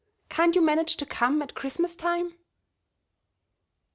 Can't you manage to come at Christmas time?"